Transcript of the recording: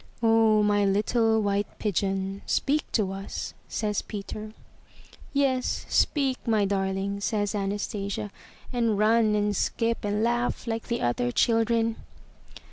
*'0h, my little white pigeon, speak to us,'* says Peter. ''Yes, speak, my darling,'' says Anastasia, ''and run and skip and laugh like the other children."